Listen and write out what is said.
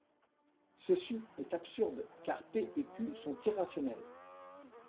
Ceci est absurde car p et q sont irrationnels.